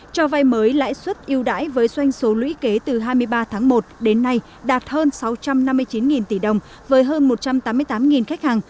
cho vay mới lãi suất yêu đáy với doanh số lũy kế từ hai mươi ba tháng một đến nay đạt hơn sáu trăm năm mươi chín tỷ đồng với hơn một trăm tám mươi tám khách hàng